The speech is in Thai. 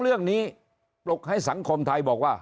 ๒เรื่องนี้ปลุกให้สังคมไทยบอกว่า